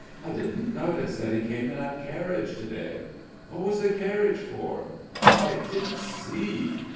I didn't notice that he came in a carriage to day! What was the carriage for? And I didn't see!